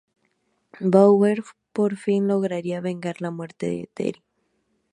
Bauer por fin lograría vengar la muerte de Teri.